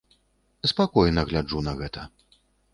Спакойна гляджу на гэта.